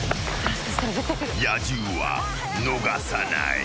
［野獣は逃さない］